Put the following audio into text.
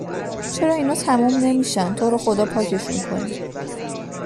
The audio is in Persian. چرا اینا تموم نمیشن تو رو خدا پاکشون کنین